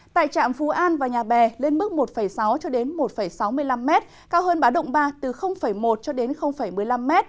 tại trạm phú an và nhà bè lên mức một sáu một sáu mươi năm m cao hơn báo động ba từ một cho đến một mươi năm m